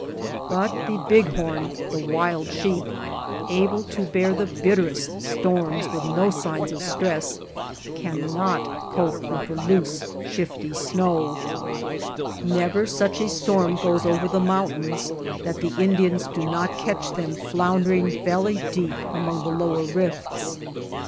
But the bighorn, the wild sheep, able to bear the bitterest storms with no signs of stress, cannot cope with the loose shifty snow. Never such a storm goes over the mountains that the 196 THE STREETS OF THE MOUNTAINS Indians do not catch them floundering belly deep among the lower rifts.